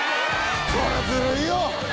そりゃずるいよ！